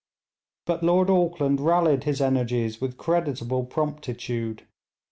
But Lord Auckland rallied his energies with creditable promptitude.